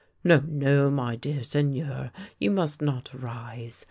" No, no, my dear Seigneur. You must not rise.